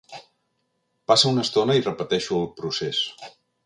Passa una estona i repeteixo el procés.